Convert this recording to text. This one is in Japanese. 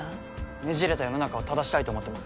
ねじれた世の中を正したいと思ってます。